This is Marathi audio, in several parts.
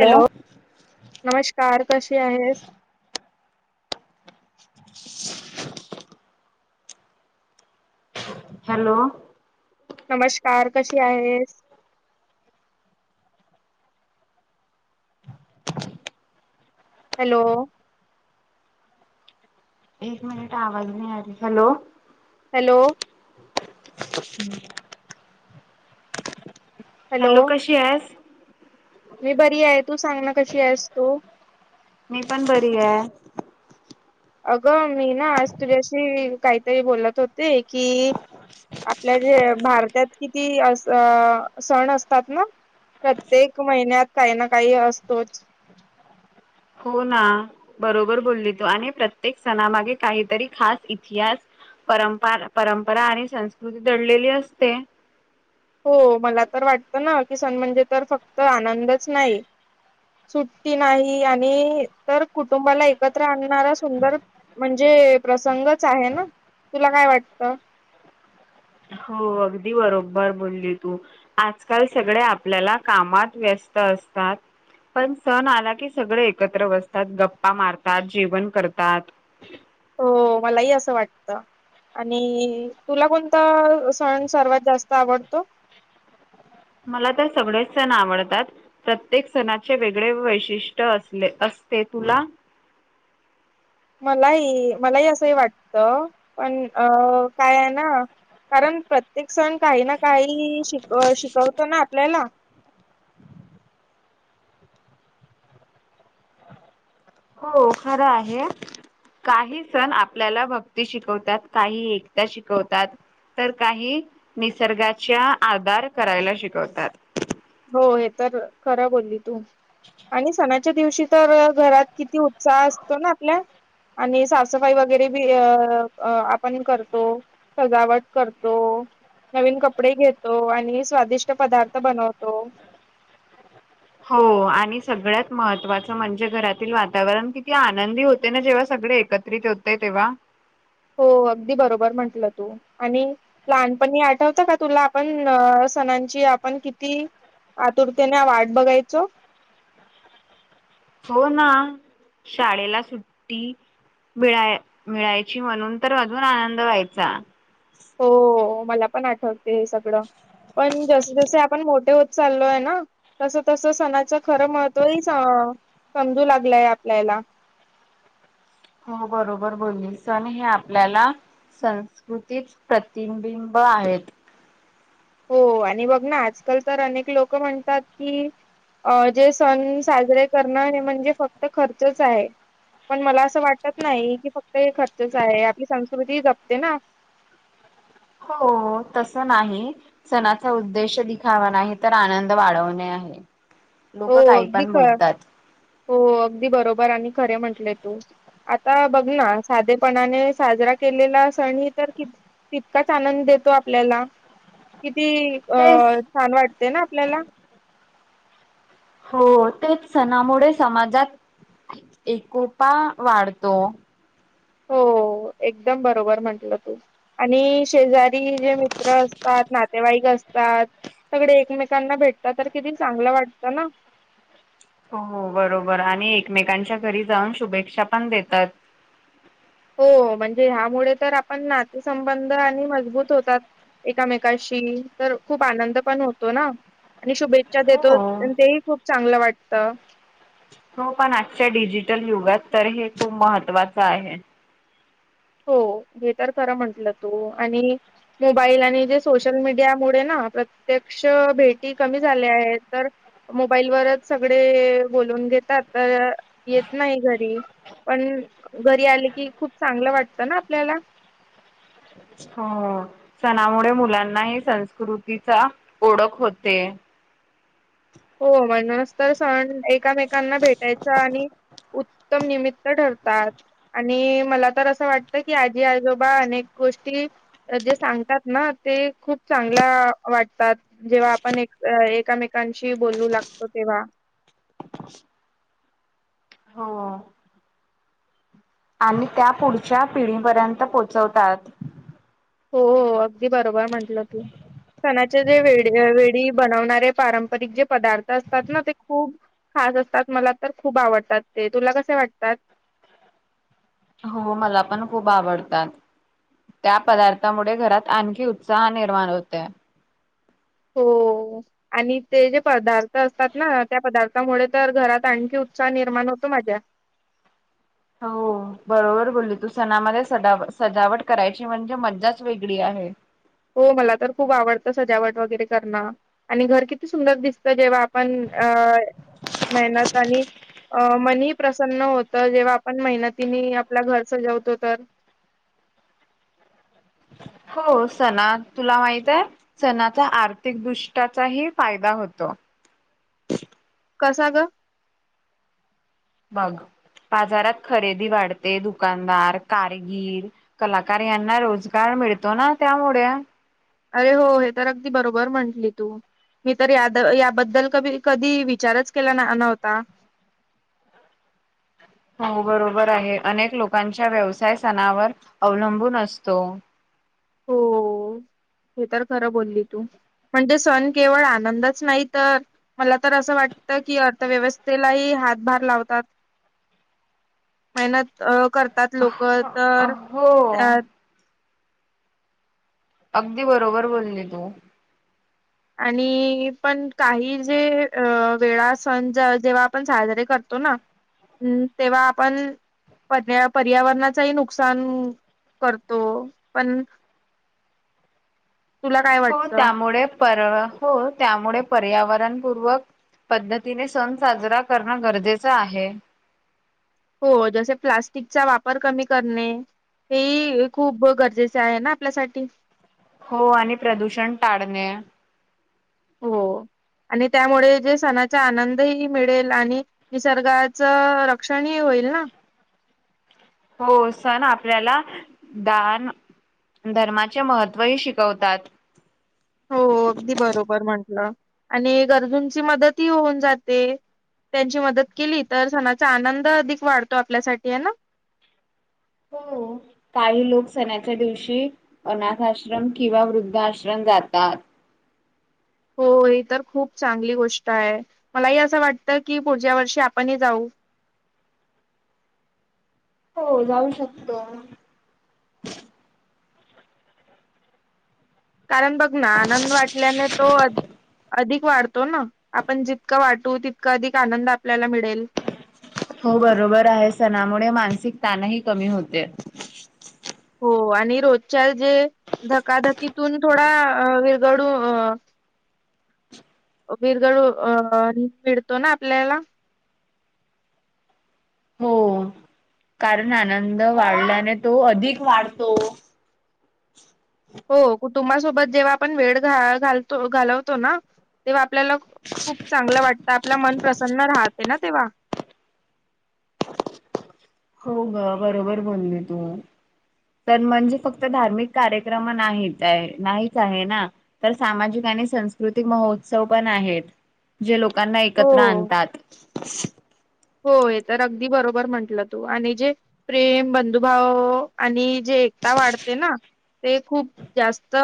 हॅलो नमस्कार कसे आहेस. [inaudible] हॅलो! नमस्कार कशी आहेस. हॅलो! एक मिनिट आवाज नाही हॅलो. हॅलो! हॅलो कशीयास. मी बरी आहे तू सांग ना कशी आहेस तो. मी पण बरी आहे अगं मी ना आज तुझ्याशी काहीतरी बोलत होते की आपल्या जे भारतात किती अस सण असतात ना प्रत्येक महिन्यात काही ना काही असतोच हो ना बरोबर बोलली तू आणि प्रत्येक सणामागे काहीतरी खास इतिहास परंप परंपरा आणि संस्कृती दडलेली असते हो मला तर वाटतं ना सण म्हणजे तर फक्त आनंदच नाही सुटी नाही आणि तर कुटुंबाला एकत्र आणणारा सुंदर म्हणजे प्रसंगच आहे ना तुला काय वाटत हो अगदी बरोबर बोलली तू आजकाल सगळे आपल्याला कामात व्यस्त असतात पण सण आला की सगळे एकत्र बसतात गप्पा मारतात जेवण करतात हो मलाही असं वाटत आणि तुला कोणता सण सर्वात जास्त आवडतो मला तर सगळे सण आवडतात प्रत्येक सणाचे वेगळे वैशिष्ट्य अस ते तुला [inaudible] मलाही मलाही असंही वाटतं पण अ काय आहे ना कारण प्रत्येक सण काही ना काही शिक शिकवतो ना आपल्याला हो खरं आहे काही सण आपल्याला भक्ती शिकवतात काही एकता शिकवतात तर काही निसर्गाच्या आधार करायला शिकवतात हो हे तर खरा बोलली तू आणि सणा आच्या दिवशी तर घरात किती उत्साह असतो ना आपल्या आणि साफसफाई वगैरे बी अ आपण करतो सजावट करतो नवीन कपडे घेतो आणि स्वादिष्ट पदार्थ बनवतो हो आणि सगळ्यात महत्त्वाचं म्हणजे घरातील वातावरण किती आनंदी होते ना जेव्हा स सगळे एकत्रित होतय तेव्हा हो अगदी बरोबर म्हंटलं तू आणि ललहान पण आठवत का तुला आपण सणांची आपण किती आतुरतेने वाट बघायचो हो ना शाळेला सुट्टी मिळाय मिळायची म्हणून तर अजून आनंद व्हायचा हो मला पण आठवते हे सगळं पण जसे जसे आपण मोठे हो चाललो आहे ना तस तस सणाच खरं महत्त्व ह समजू लागलाय आपल्याला हो बरोबर बोलली सण हे आपल्याला संस्कृतीत प्रतिबिब आहेत हो आणि बघ ना आजकाल तर अनेक लोक म्हणतात कि अ जे सण साजरे करणं हे म्हणजे फक्त खर्चच आहे पण मला असं वाटत नाही की फक्त हे खर्चच आहे आपली संस्कृती जपते ना [inaudible] हो तस नाही सणाचा उद्देश दिखावा नाही तर आनंद वाढवणे आहे हो लोक काही अगदी पण ख बोलतात हो अगदी बरोबर आणि खरे म्हटले तू आता बघ ना साधेपणाने साजरा केलेला सण ह तर कि तितकाच आनंद देतो आपल्याला ती अ तेच छान वाटते ना आपल्याला हो तेच सणामुळे समाजात एकोपा वाढतो हो एकदम बरोबर म्हंटलं तू आणि शेजारी जे मित्र असतात वाईक असतात सगळे एकमेकांना भेटतात तर किती चांगलं वाटतं ना हो बरोबर आणि एकमेकांच्या घरी जाऊन शुभेच्छा पण देतात हो म्हणजे ह्यामुळे तर आपण नातेसंबंध आणि मजबूत होतात एकामेकाशी तर खूप आनंद पण होतो ना आणि शुभेच्छा हो. देतो तेही खूप चांगलं वाटत हो पण आजच्या डिजिटल युगात तर हे खूप महत्त्वाच आहे हो हे तर खर म्हंटल त आणि मोबाईल आणि जे सोशल मीडिया मु ना प्रत्येक क्ष भेटी कमी झाल्या आहेत तर मोबाईल वच सगळे बून घेतात येत नाही घरी पण घरी आले की खूप चांगलं वाट ना आपल्याला हो सणामुळे मुलांनाही संस्कृतीचा ओळख होते हो म्हणूनच तर सण एकामेकांना भेटायचा आणि उत्तम निमित्त ठरतात आणि मला तर असं वाटतं की आजी आजोबा अनेक गोष्टी जे सांगतात ना ते खूप चांगल्या वाटतात जेव्हा आपण एक एकमेकां बोलू लागत तेव्हा हो आणि त्या पुढच्या पिढीपर्यंत पोहोचवतात हो अगदी बरोबर म्हंटलं तू सणाचे जे वे वेळी बनवणारे पारंपरिक जे पदार्थ असतात ना ते खूप ख असत मला तर खूप आवडात तुला कसे वातात हो मला पण खूप आवडतात त्या पदार्थामुळे घरात आणखी उत्साह निर्माण होत हो आणि ते जे पदार्थ असतात ना त्या पदार्थामुळे तर घरात आणखी उत्साह निर्माण होत मजा हो बरोबर बोलली तू सणामध्ये सजाव सजावट करायची म्हणजे मज्जाच वेगळी आहे हो मला तर खूप आवडतं सजावट वगैरे करणं आणि घर किती सुंदर दिसतं जेव्हा आपण अ मेहनत आणि अ मनी प्रसन्न होत जेव्हा आपण मेहनतीनी आपलं घर सजवतो तर [unintelligible] हो सणा तुला माहित आहे सणाचा आर्थिक दृष्ट्याचाही फायदा होतो कसा ग बग बाजारात खरेदी वाढते दुकानदार कारगिर कलाकार यांना रोजगार मिळतो ना त्यामुळे अरे हो हे तर अगदी बरोबर म्हटली तू मी तर या याबद्दल क कधी विचारच केला नव्हता [unintelligible] हो बरोबर आहे अनेक लोकांच्या व्यवसाय सणावर अवलंबून असतो हो, हे तर खरं बोलली तू म्हणजे सण केवळ आनंदच नाही, तर, मला तर असं वाटत की अर्थव्यवस्थेलाही हातभार लावतात, मेनहत करतात, लोकं तर हो त्या अगदी बरोबर बोलली तू आणि पण काही जे अ वेळा सण जेव्हा आपण साजरे करतो करतो ना, तेव्हा आपण पर्या पर्यावरणाचाही नुकसान करतो, पण तुला काय हो वाटतं? त्यामुळे पर हो, त्यामुळे पर्यावरणपूर्वक पद्धतीने, सण साजरा करणं गरजेचं आहे. हो, जसे प्लास्टिकचा वापर कमी करणे. हे खूप गरजेचे आहे ना, आपल्यासाठी हो आणि प्रदूषण टाळणे. हो. आणि त्यामुळे जे सणाचा आनंदही मिळेल आणि निसर्गाच रक्षणही- होईल ना? हो, सण आपल्याला दान धर्माचे महत्त्व ही शिकवतात. हो, अगदी बरोबर म्हटलं आणि एक अर्जुनची मदतही होऊन जाते. त्यांची मदत केली, तर सणाचा आनंद अधिक वाढतो आपल्यासाठी आहे ना? हो काही लोक सणाच्या दिवशी अनाथ आश्रम किंवा वृद्धा आश्रम जातात. हो, हे तर खूप चांगली गोष्ट आहे, मलाही असं वाटतं, की पुढच्या वर्षी आपणही जाऊ. [unintelligible] हो, जाऊ शकतो. कारण, बघ ना, आनंद वाटल्याने तो अधिक ख वाढतो ना, आपण जितकं वाटू तितका अधिक आनंद आपल्याला मिळेल. हो बरोबर आहे सणामुळे मानसिक ताणही कमी होते. हो आणि रोजच्या जे धकाधकीतून थोडा विरगडू अ बीरगडू अं मिळतो ना, आपल्याला हो, कारण आनंद वाढल्याने तो अधिक वाढतो. हो कुटुंबासोबत जेव्हा आपण वेळ घ घालतो घालवतो ना तेव्हा आपल्याला खूप चांगलं वाटतं, आपला मन प्रसन्न राहते ना. तेवा हो, गं, बरोबर बोलली तू तर म्हणजे फक्त धार्मिक कार्यक्रम नाहीत आहे, नाहीच आहे ना, तर सामाजिक नाय, संस्कृतीक महोचव्ह पण आहेत, जे लोक लोकांना हो एकत्र आणतात. हो, हे तर अगदी बरोबर म्हंटलं तू आणि जे प्रेम बंधुभाव आणि जे एकता वाढते ना, ते खूप जास्त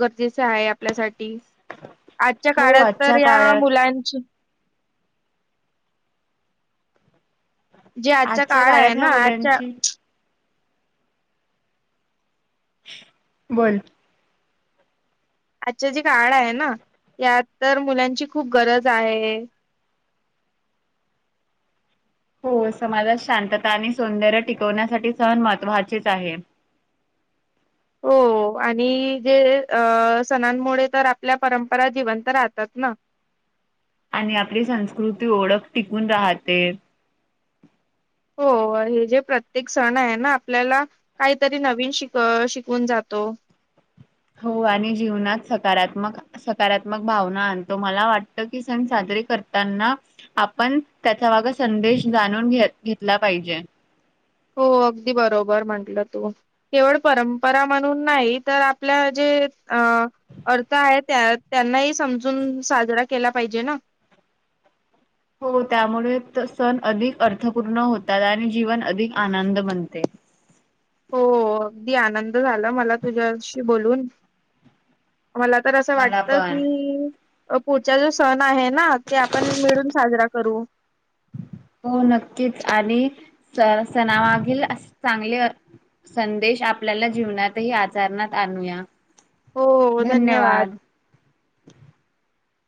गरजेचे आहे आपल्यासाठी ठी, आजच्या हो काळात आजच्या तर या काळात मुलांची जे आजचा आजच्या काळ आहे काळात ह्या ना, आजच्या मुलांची बोल आजच्या जे काळ आहे ना, यात तर मुलांची खूप गरज आहे. हो समाजात शांतता आणि सौंदर्य टिकवण्यासाठी सण महत्त्वाचेच आहे. हो. हो आणि जे अ सणांमुळे तर आपल्या परंपरा जिवंत राहतात ना? [unintelligible] आणि आपली संस्कृती ओळख टिकून राहते. हो. हे जे प्रत्येक सण आहे ना आपल्याला काहीतरी नवीन शिक शिकून जातो. [unintelligible] हो आणि जीवनात सकारात्मक सकारात्मक भावना आणतो मला वाटत की सण साध आपण त्याचा माग संदेश जाणून घ घेतला पाहिजे. हो अगदी बरोबर म्हंटलं तू केवळ परंपरा म्हणून नाही तर आपल्या जे अ अर्थ आहे त्यांनाही समजून साजरा केला पाहिजे ना. [unintelligible] हो त्यामुळे सण अधिक अर्थपूर्ण होतात आणि जीवन अधिक आनंद बनते [unintelligible] अगदी आनंद झाला मला तुझ्याशी बोलून मला तर असं मला वाटत पण की पुढचा जो सण आहे ना ते आपण मिळून साजरा करू हो नक्कीच आणि स सणामागील अस चांगले संदेश आपल्याला जीवनातही आचरणात आणूया हो धन्यवाद